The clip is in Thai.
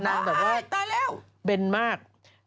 นั่งแบบว่าเป็นมาก